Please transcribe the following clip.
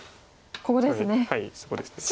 ここですね。